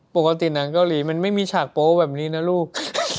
ปกติหนังเกาหลีมันไม่มีฉากโป๊แบบนี้นะลูก